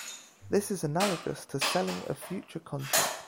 This is analogous to selling a future contract.